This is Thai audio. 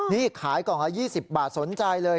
นี่ขายก่อนครับ๒๐บาทสนใจเลย